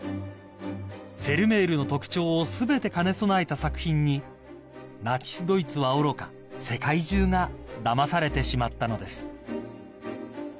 ［フェルメールの特徴を全て兼ね備えた作品にナチスドイツはおろか世界中がだまされてしまったのです］